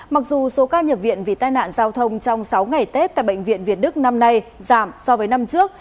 mặc dù số ca nhập viện vì tai nạn giao thông trong sáu ngày tết tại bệnh viện việt đức năm nay giảm so với năm trước